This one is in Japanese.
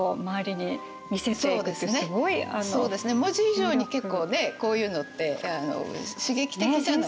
文字以上に結構ねこういうのって刺激的じゃない。ね